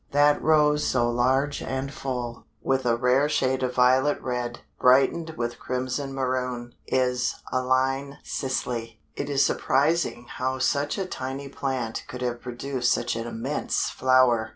That rose so large and full, with a rare shade of violet red, brightened with crimson maroon, is Aline Sisley. It is surprising how such a tiny plant could have produced such an immense flower!